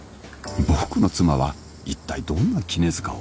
僕の妻は一体どんな杵柄を？